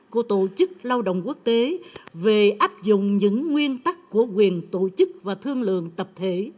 của tổ chức lao động quốc tế về áp dụng những nguyên tắc của quyền tổ chức và thương lượng tập thể